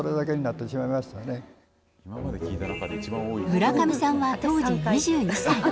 村上さんは当時２２歳。